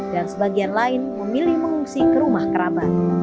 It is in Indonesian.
sebagian lain memilih mengungsi ke rumah kerabat